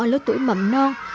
lớp tuổi mầm non